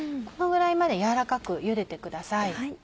このぐらいまで軟らかくゆでてください。